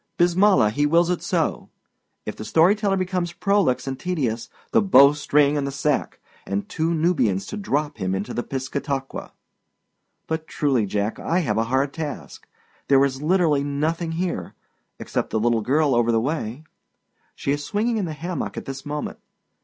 Bismillah! he wills it so. If the story teller becomes prolix and tedious the bow string and the sack, and two Nubians to drop him into the Piscataqua! But truly, Jack, I have a hard task. There is literally nothing here except the little girl over the way. She is swinging in the hammock at this moment.